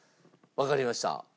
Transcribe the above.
わかりました。